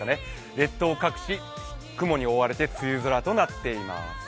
列島各地、雲に覆われて梅雨空となっています。